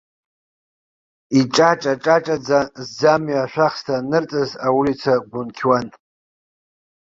Иҿаҿа-ҿаҿаӡа зӡамҩа ашәахсҭа анырҵаз аулица гәынқьуан.